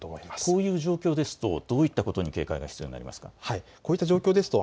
そういう状況ですとどういったことに警戒が必要になりますか。